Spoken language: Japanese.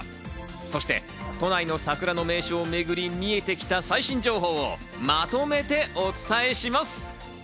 そして都内の桜の名所をめぐり、見えてきた最新情報をまとめてお伝えします。